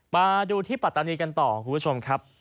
มาดูที่ปัตตานีกันต่อคุณผู้ชมครับ